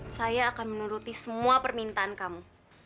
saya akan menuruti semua permintaan kamu